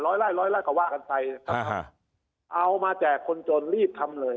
ไล่ร้อยไล่ก็ว่ากันไปนะครับเอามาแจกคนจนรีบทำเลย